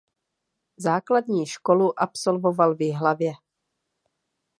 Základní školu absolvoval v Jihlavě.